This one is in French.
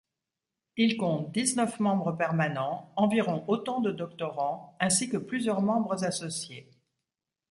Il compte dix-neuf membres permanents, environ autant de doctorants, ainsi que plusieurs membres associés.